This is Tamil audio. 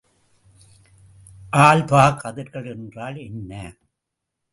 ஆல்பா கதிர்கள் என்றால் என்ன?